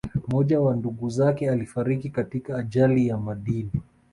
Mmoja wa ndugu zake alifariki katika ajali ya madini